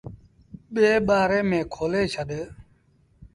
ٻي ٻآري ميݩ کولي ڇڏ۔